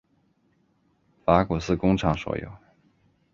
法古斯工厂所有。